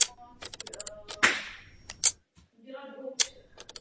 Později pracoval pro United Press International.